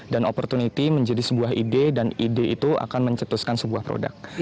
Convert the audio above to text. dan opportunity menjadi sebuah ide dan ide itu akan mencetuskan sebuah produk